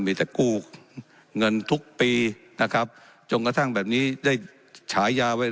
มีแต่กู้เงินทุกปีนะครับจนกระทั่งแบบนี้ได้ฉายาไว้